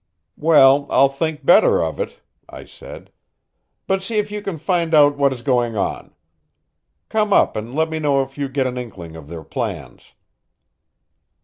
"Well, I'll think better of it," I said. "But see if you can find out what is going on. Come up and let me know if you get an inkling of their plans."